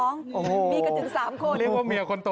มันไม่รู้มันไม่รู้